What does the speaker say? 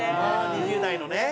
２０代のね。